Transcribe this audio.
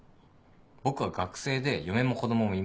僕は学生で嫁も子供もいませんけど。